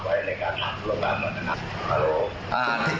ว่าจะถามต้องพูด